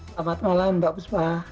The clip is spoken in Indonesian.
selamat malam mbak busbah